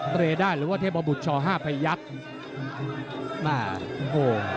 เตรด่าหรือว่าเทพบุรุษช๕ประยักษ์